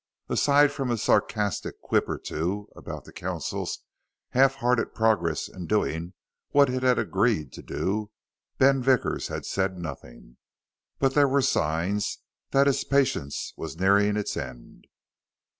Aside from a sarcastic quip or two about the council's half hearted progress in doing what it had agreed to do, Ben Vickers had said nothing. But there were signs that his patience was nearing its end.